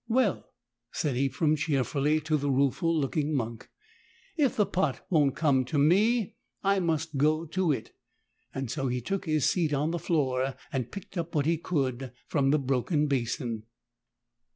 "Well," said Ephrem cheerfully to the rueful looking monk, "if the pot won't come to me, I must go to it." So he took his seat on the floor and picked up what he could from the broken basin.